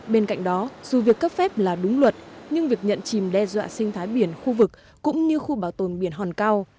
bên cạnh đó dù việc cấp phép là đúng luật nhưng việc nhận chìm đe dọa sinh thái biển khu vực cũng như khu bảo tồn biển hòn cao